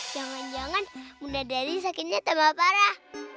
jangan jangan bunda dari sakitnya terbawa parah